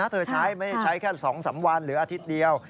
เธอใช้ไม่ได้ใช้แค่๒๓วันหรืออาทิตย์เดียว